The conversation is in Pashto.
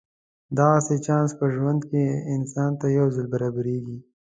دغسې چانس په ژوند کې انسان ته یو ځل برابرېږي.